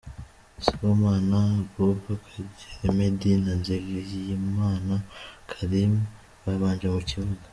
Sibomana Abuba, Kagere Meddie na Nizigiyimana Kharim babanje mu kibuga.